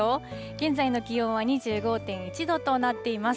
現在の気温は２５．１度となっています。